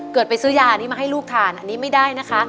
ไปซื้อยานี้มาให้ลูกทานอันนี้ไม่ได้นะคะ